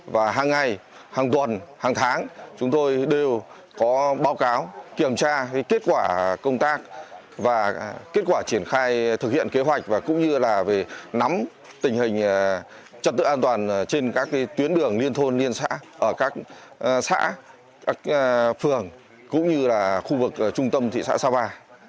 và hàng ngày hàng tuần hàng tháng chúng tôi đều có báo cáo kiểm tra kết quả công tác và kết quả triển khai thực hiện kế hoạch và cũng như là về nắm tình hình trật tự an toàn trên các tuyến đường liên thôn liên xã ở các xã các phường cũng như là khu vực trung tâm thị xã xa bạ